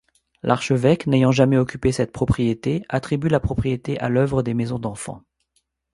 L'archevêque, n'ayant jamais occupé cette propriété, attribue la propriété à l'œuvre des maisons d'enfants.